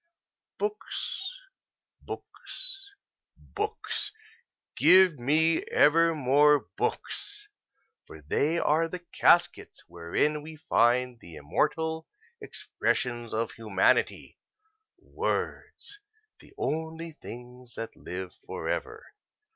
Books, books, books give me ever more books, for they are the caskets wherein we find the immortal expressions of humanity words, the only things that live forever!